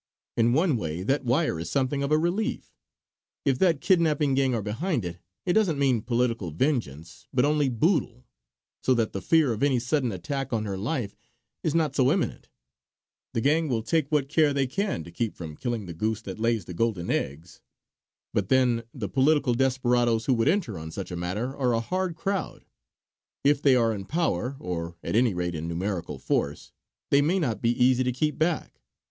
In one way that wire is something of a relief. If that kidnapping gang are behind it, it doesn't mean political vengeance, but only boodle; so that the fear of any sudden attack on her life is not so imminent. The gang will take what care they can to keep from killing the goose that lays the golden eggs. But then, the political desperadoes who would enter on such a matter are a hard crowd; if they are in power, or at any rate in numerical force, they may not be easy to keep back.